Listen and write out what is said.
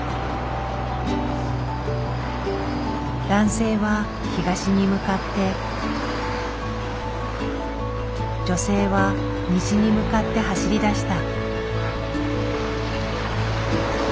男性は東に向かって女性は西に向かって走り出した。